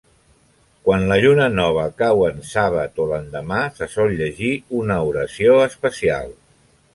Quan la Lluna Nova cau en Sàbat o l'endemà, se sol llegir una oració especial.